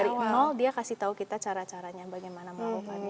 dari nol dia kasih tahu kita cara caranya bagaimana melakukannya